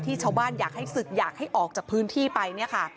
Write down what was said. ที่ชาวบ้านอยากให้ศึกอยากให้ออกจากพื้นที่ไป